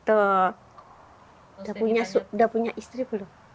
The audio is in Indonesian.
udah punya istri belum